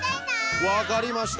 わかりました。